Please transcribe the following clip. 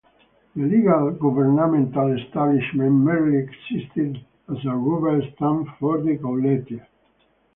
The legal governmental establishment merely existed as a rubber stamp for the "Gauleiter".